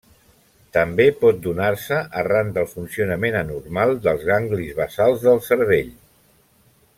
També pot donar-se arran del funcionament anormal dels ganglis basals del cervell.